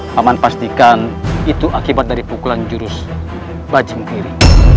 paman pastikan itu akibat dari pukulan jurus bajing kiri